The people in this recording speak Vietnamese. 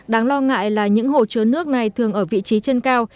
đáng lo ngại là những hồ chứa nước này thường ở vị trí trên cao